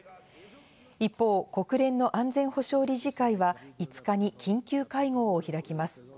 一方、国連安全保障理事会は５日に緊急会合を開きます。